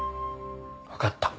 分かった。